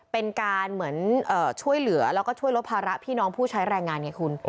เป็นการเหมือนช่วยเหลือแล้วก็ช่วยลดภาระพี่น้องผู้ใช้แรงงานไงคุณ